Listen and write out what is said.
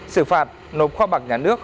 xử phạt nộp khoa bạc nhà nước